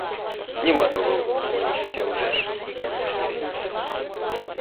— Нимат огыл, мыйын шинча ужеш, — манеш Еренте.